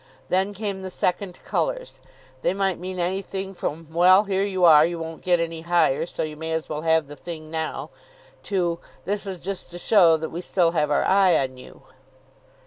Then came the second colours. They might mean anything from "Well, here you are. You won't get any higher, so you may as well have the thing now," to "This is just to show that we still have our eye on you."